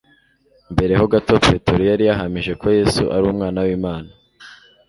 Mbere ho gato, Petero yari yahamije ko Yesu ari Umwana w'Imana,